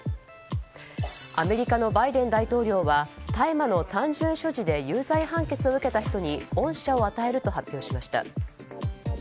アメリカのバイデン大統領は大麻の単純所持で有罪判決を受けた人に恩赦を与えると発表しました。